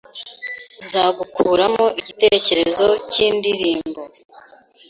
nza gukuramo igitekerezo cy’indirimbo